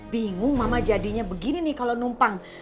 bingung mama jadinya begini nih kalau numpang